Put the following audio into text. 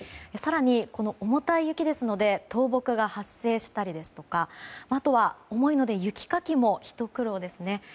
更に、重たい雪ですので倒木が発生したりですとかあとは、重いので雪かきもひと苦労ですね。